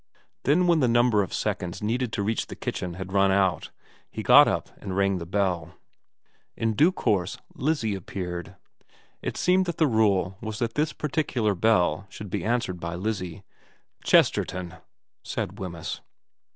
Then when the number of seconds needed to reach the kitchen had run out, he got up and rang the bell. In due course Lizzie appeared. It seemed that the rule was that this particular bell should be answered by Lizzie. * Chesterton,' said Wemyss.